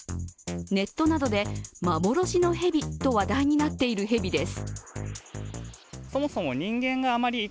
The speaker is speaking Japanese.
ネットなどで幻の蛇と話題になっている蛇です。